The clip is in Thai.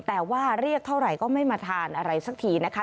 แต่ว่าเรียกเท่าไหร่ก็ไม่มาทานอะไรสักทีนะคะ